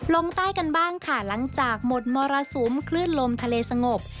ลงใต้กันบ้างค่ะหลังจากหมดมรสุมคลื่นลมทะเลสงบ